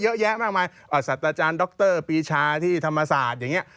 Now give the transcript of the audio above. เยอะแยะมากมายสัตว์อาจารย์ดรปีชาที่ธรรมศาสตร์อย่างนี้